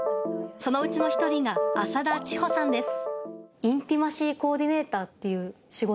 そのうちの１人が浅田智穂さんです。